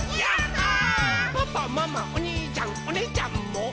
「パパママおにいちゃんおねぇちゃんも」